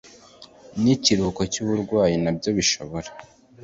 N ikiruhuko cy uburwayi nabyo bishobora